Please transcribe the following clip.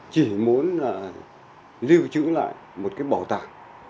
chỉ muốn lưu trữ lại một cái bảo tàng